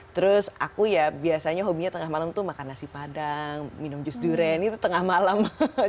terus aku ya biasanya hobinya tengah malam tuh makan nasi padang minum jus durian itu tengah malam